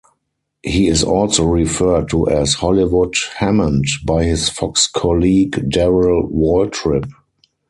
He is also referred to as Hollywood Hammond by his Fox colleague Darrell Waltrip.